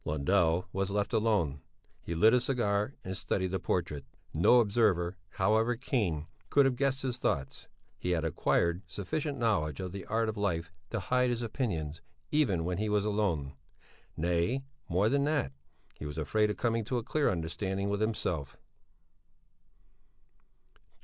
Lundell was left alone. He lit a cigar and studied the portrait. No observer, however keen, could have guessed his thoughts; he had acquired sufficient knowledge of the art of life to hide his opinions even when he was alone; nay, more than that, he was afraid of coming to a clear understanding with himself.